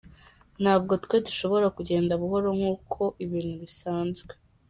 Nta bwo twe twashobora kugenda buhoro nk’uko ibintu bisanzwe.